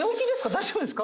大丈夫ですか？